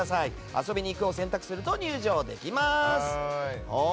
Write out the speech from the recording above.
遊びにいくを選択すると入場できます。